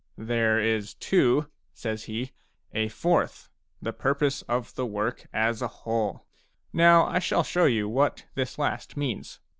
a "There is, too," says he, "a fourth, — ^the purpose of the work as a whole." Now I shall show you what this last means.